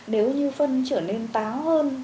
nếu như phân trở nên táo hơn